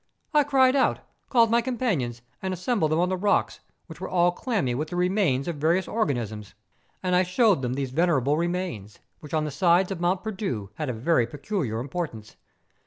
... I cried out, called my companions, and assembled them on the rocks, which were all clammy with the remains of various organisms. And I showed them these venerable remains, which on the sides of Mont Perdu had a very peculiar importance.